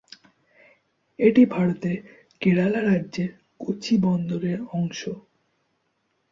এটি ভারতের কেরালা রাজ্যের কোচি বন্দরের অংশ।